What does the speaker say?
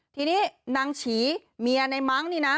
ทีนี้นางฉีเมียในมั้งนี่นะ